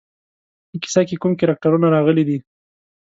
په کیسه کې کوم کرکټرونه راغلي دي.